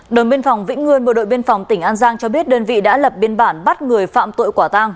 đồng biên phòng vĩnh nguồn bộ đội biên phòng tỉnh an giang cho biết đơn vị đã lập biên bản bắt người phạm tội quả tăng